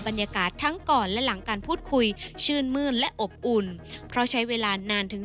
บรรยากาศทั้งก่อนและหลังการพูดคุยชื่นมื้นและอบอุ่นเพราะใช้เวลานานถึง